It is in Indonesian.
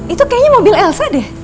itu kayaknya mobil elva deh